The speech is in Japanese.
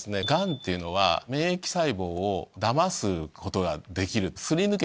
ガンっていうのは免疫細胞をダマすことができる。